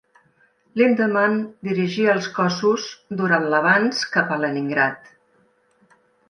Lindemann dirigia els cossos durant l'avanç cap a Leningrad.